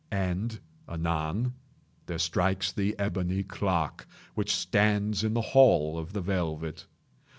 And, anon, there strikes the ebony clock which stands in the hall of the velvet.